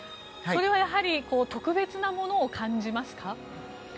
それはやはり特別なものを感じますか？